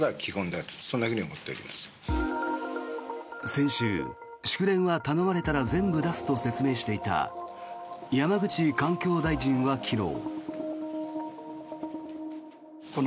先週、祝電は頼まれたら全部出すと説明していた山口環境大臣は昨日。